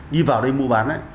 đi vào đây mua bán